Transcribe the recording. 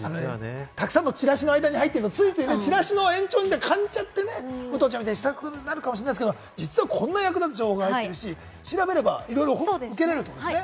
たくさんのチラシの間に入ってるとチラシの延長みたいに感じちゃってね、武藤ちゃんみたいにしたくなるかもしれないですけど、実はこんな役立つ情報が入ってるし、調べれば、いろいろ受けられるんですね。